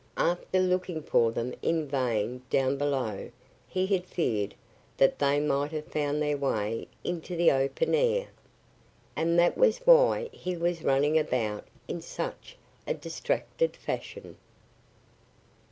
After looking for them in vain down below he had feared that they might have found their way into the open air. And that was why he was running about in such a distracted fashion.